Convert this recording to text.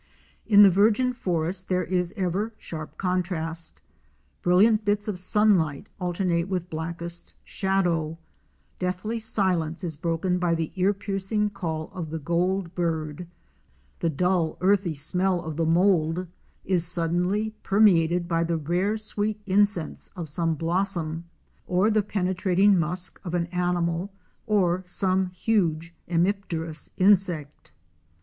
In the virgin forest there is ever sharp contrast. Brilliant bits of sunlight alternate with blackest shadow; deathly silence is broken by the ear piercing call of the Goldbird; the dull earthy smell of the mould is suddenly permeated by the rare sweet incense of some blossom or the penetrating musk of an animal or some huge hemipterous insect.